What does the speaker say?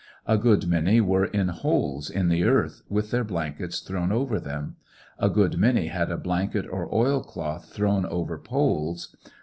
A good many were in holes in the earth with their blankets thrown over them ; a good many had a blanket or oil cloth thrown over poles